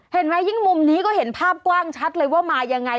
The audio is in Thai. เห็นไหมยิ่งมุมนี้ก็เห็นภาพกว้างชัดเลยว่ามายังไง